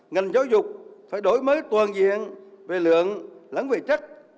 ngành giáo dục phải đổi mới toàn diện về lượng lắng về trách